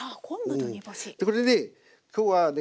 これで今日はね